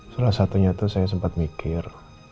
salah satunya itu saya sempat mikir